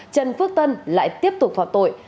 trần phước tân lại tiếp tục phạt tội